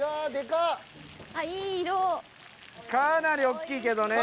かなりおっきいけどね。